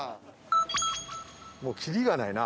もうキリがないな。